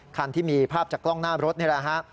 คันที่มีภาพจากกล้องหน้ารถนี่แหละฮะ